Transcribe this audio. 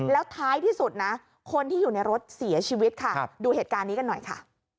แล้วท้ายที่สุดนะคนที่อยู่ในรถเสียชีวิตค่ะดูเหตุการณ์นี้กันหน่อยค่ะ